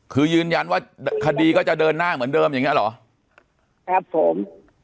คือยืนยันว่าคดีก็จะเดินหน้าเหมือนเดิมอย่างเงี้เหรอครับผม